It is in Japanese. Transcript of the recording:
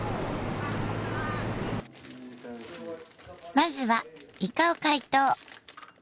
まずはイカを解凍。